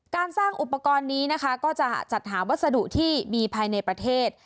การสร้างอุปกรณ์นี้นะคะก็จะจัดหาวัสดุที่มีภายในประเทศ